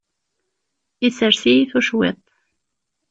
Issers-iyi tucwiḍt.